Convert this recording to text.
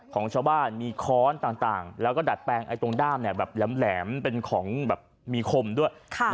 ของชาวบ้านมีค้อนต่างตาตรงด้ามเนี่ยแบบแหลมเป็นของบ้างแบบมีคมด้วย